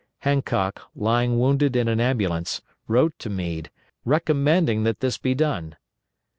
Hancock, lying wounded in an ambulance, wrote to Meade, recommending that this be done.